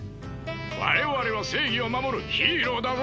我々は正義を守るヒーローだぞ！